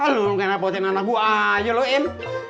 lu kenapa nanya nama gue aja lu im